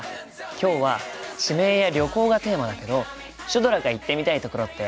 今日は地名や旅行がテーマだけどシュドラが行ってみたい所ってある？